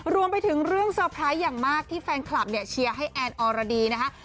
รวมไปถึงเรื่องเซอร์ไพรส์อย่างมากที่แฟนคลับเนี่ยเชียร์ให้แอนออรดีนะคะ